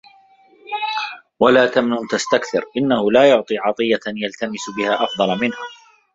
وَلَا تَمْنُنْ تَسْتَكْثِرْ إنَّهُ لَا يُعْطِي عَطِيَّةً يَلْتَمِسُ بِهَا أَفْضَلَ مِنْهَا